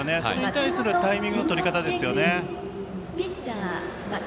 それに対するタイミングのとり方ですよね。